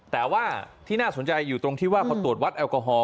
แต่ว่าที่น่าสนใจอยู่ตรงที่ว่าเขาตรวจวัดแอลกอฮอล